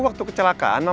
nanti aja lah